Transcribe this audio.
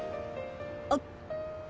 あっ。